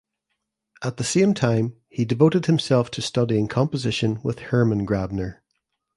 At the same time he devoted himself to studying composition with Hermann Grabner.